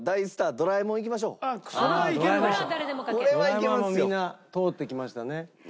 ドラえもんはみんな通ってきましたね。